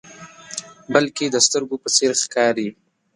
بلکې د سترګو په څیر ښکاري.